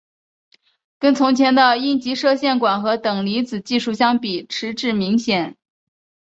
跟从前的阴极射线管和等离子技术相比迟滞明显。